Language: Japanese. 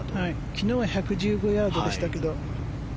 昨日は１１５ヤードでしたけど。